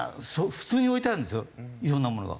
普通に置いてあるんですよ色んなものが。